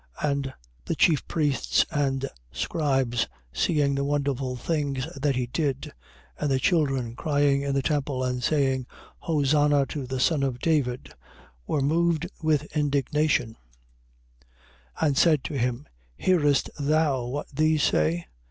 21:15. And the chief priests and scribes, seeing the wonderful things that he did and the children crying in the temple and saying: Hosanna to the son of David, were moved with indignation, 21:16. And said to him: Hearest thou what these say?